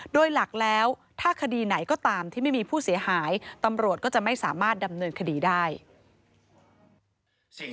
โดยหลักแล้วถ้าคดีไหนก็ตามที่ไม่มีผู้เสียหายตำรวจก็จะไม่สามารถดำเนินคดีได้